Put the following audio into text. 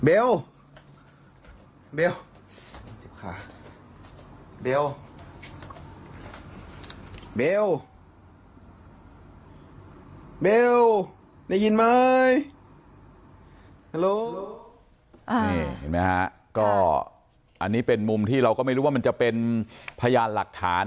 เห็นไหมฮะก็อันนี้เป็นมุมที่เราก็ไม่รู้ว่ามันจะเป็นพยานหลักฐาน